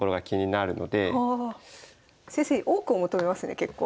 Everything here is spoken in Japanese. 多くを求めますね結構。